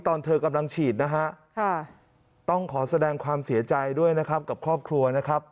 ตอนเธอกำลังฉีดนะฮะต้องขอแสดงความเสียใจด้วยนะครับกับครอบครัวนะครับ